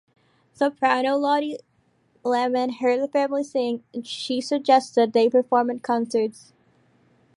Soprano Lotte Lehmann heard the family sing, and she suggested they perform at concerts.